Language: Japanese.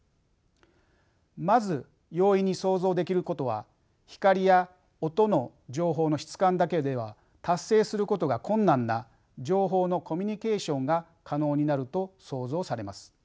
まず容易に想像できることは光や音の情報の質感だけでは達成することが困難な情報のコミュニケーションが可能になると想像されます。